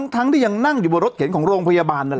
ทั้งที่ยังนั่งอยู่บนรถเข็นของโรงพยาบาลนั่นแหละ